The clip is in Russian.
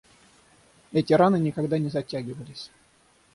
Эти раны никогда не затягивались.